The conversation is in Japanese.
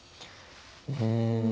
うん。